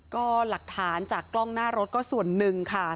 ก็หลักฐานจากกล้องหน้ารถก็ส่วนหนึ่งค่ะ